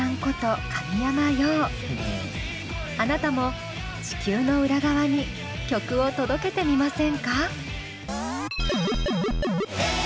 あなたも地球の裏側に曲を届けてみませんか？